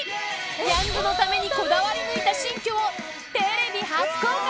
ニャンズのためにこだわり抜いた新居をテレビ初公開。